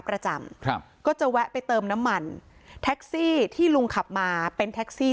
ประจำครับก็จะแวะไปเติมน้ำมันแท็กซี่ที่ลุงขับมาเป็นแท็กซี่